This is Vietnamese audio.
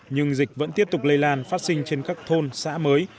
nhưng dịch vẫn tiếp tục lây lan phát sinh trên các thôn xã mới